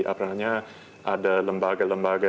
apalagi ada lembaga lembaga